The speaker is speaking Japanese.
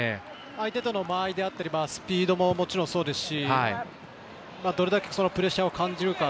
相手との間合いスピードももちろんそうですしどれだけプレッシャーを感じるか。